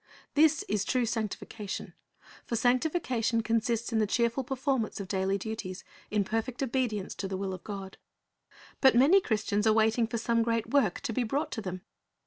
This is true sanctification; for sanctification consists in the cheerful performance of daily duties in perfect obedience to the will of God. But many Christians are waiting for some great work to be brought to them.